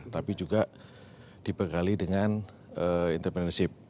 tapi juga dibekali dengan entrepreneurship